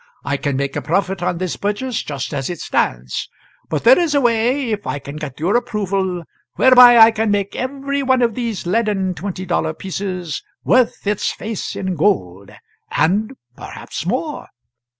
I can make a profit on this purchase, just as it stands; but there is a way, if I can get your approval, whereby I can make every one of these leaden twenty dollar pieces worth its face in gold, and perhaps more.